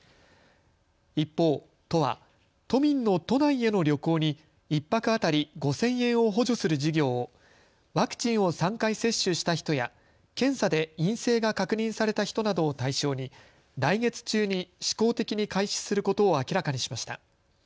一方、都は都民の都内への旅行に１泊当たり５０００円を補助する事業をワクチンを３回接種した人や検査で陰性が確認された人などを対象に来月中に試行的に開始することを明らかにしました。